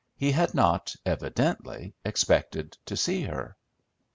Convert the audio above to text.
He had not, evidently, expected to see her.